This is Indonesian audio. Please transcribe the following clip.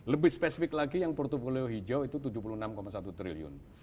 lebih spesifik lagi yang portfolio hijau itu tujuh puluh enam satu triliun